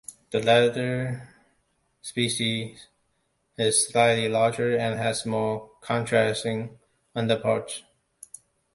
The latter species is slightly larger, and has more contrasting underparts.